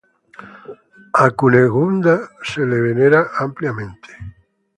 A Cunegunda se la venera ampliamente.